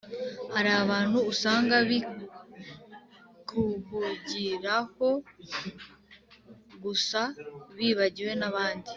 Harabantu usanga bikuhugiraho gusa bibagiwe nabandi